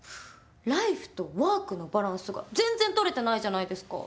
ライフとワークのバランスが全然取れてないじゃないですか。